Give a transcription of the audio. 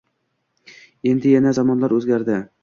Endi yana zamonlar o‘zgardi